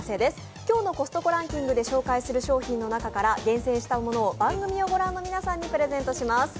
今日のコストコランキングの中から厳選したものを番組を御覧の皆さんにプレゼントします。